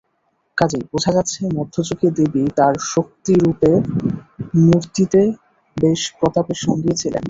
কাজেই বোঝা যাচ্ছে, মধ্যযুগে দেবী তাঁর শক্তিরূপেণ মূর্তিতে বেশ প্রতাপের সঙ্গেই ছিলেন।